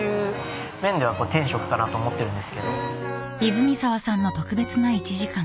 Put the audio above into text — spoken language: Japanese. ［泉澤さんの特別な１時間］